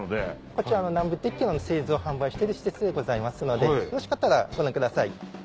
こちら南部鉄器の製造・販売をしてる施設でございますのでよろしかったらご覧ください。